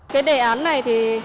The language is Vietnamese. cái đề án này thì